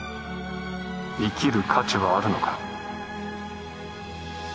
生きる価値はあるのか？